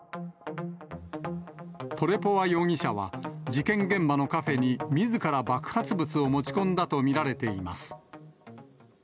トレポワ容疑者は、事件現場のカフェにみずから爆発物を持ち込んだと見られています。